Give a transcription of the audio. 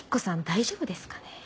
大丈夫ですかね？